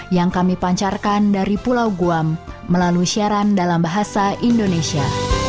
yang kami pancarkan dari pulau guam melalui siaran dalam bahasa indonesia